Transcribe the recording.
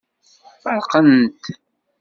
Feṛqen-t.